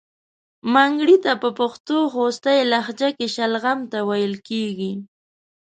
منګړیته په پښتو خوستی لهجه کې شلغم ته ویل کیږي.